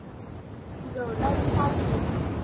Giờ đây xa xứ